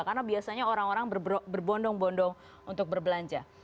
karena biasanya orang orang berbondong bondong untuk berbelanja